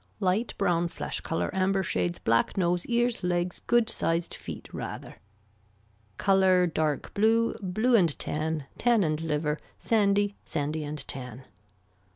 Light brown flesh color amber shades black nose, ears, legs, good sized feet rather. Color dark blue, blue and tan, tan and liver, sandy, sandy and tan.